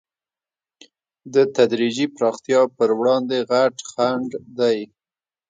د تدریجي پراختیا پر وړاندې غټ خنډ دی.